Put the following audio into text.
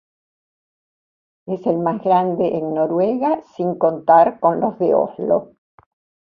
Es el más grande en Noruega sin contar con los de Oslo.